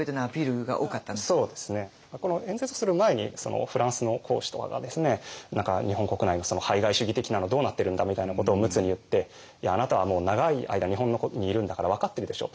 この演説する前にフランスの公使とかがですね何か日本国内の排外主義的なのどうなってるんだみたいなことを陸奥に言っていやあなたはもう長い間日本にいるんだから分かってるでしょと。